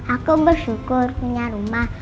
aku bersyukur punya rumah